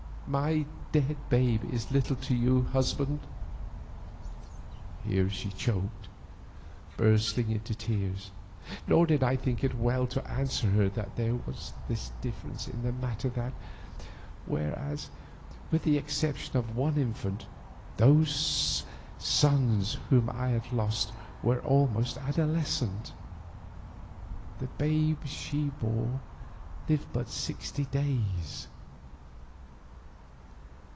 My dead babe is little to you, husband!" Here she choked, bursting into tears; nor did I think it well to answer her that there was this difference in the matter, that whereas, with the exception of one infant, those sons whom I had lost were almost adolescent, the babe she bore lived but sixty days.